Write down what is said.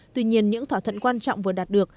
tuy nhiên những thỏa thuận quan trọng vừa đạt được